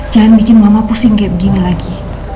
jangan bikin mama pusing kayak begini lagi